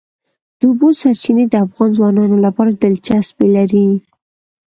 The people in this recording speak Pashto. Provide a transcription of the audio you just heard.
د اوبو سرچینې د افغان ځوانانو لپاره دلچسپي لري.